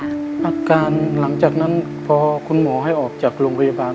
อาการหลังจากนั้นพอคุณหมอให้ออกจากโรงพยาบาล